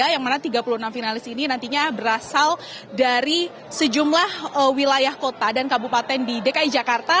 yang mana tiga puluh enam finalis ini nantinya berasal dari sejumlah wilayah kota dan kabupaten di dki jakarta